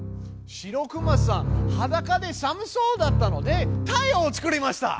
白くまさんはだかで寒そうだったので太陽を作りました！